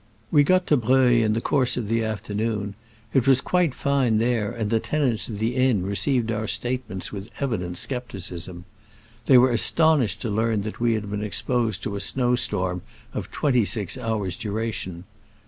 We got to Breuil in the course of the afternoon : it was quite fine there, and the tenants of the inn received our state ments with evident skepticism. They MONSIEUR FAVRB. were astonished to learn that we had been exposed to a snow storm of twen ty six hours' duration.